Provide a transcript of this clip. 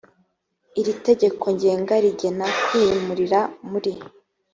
iri tegeko ngenga rigena kwimurira muri